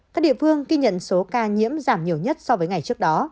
các địa phương ghi nhận số ca nhiễm giảm nhiều nhất so với ngày trước đó